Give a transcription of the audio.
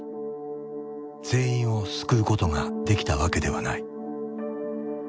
全員を救うことができたわけではない。